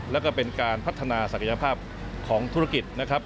แล้วก็เป็นการพัฒนาศักยภาพของธุรกิจนะครับ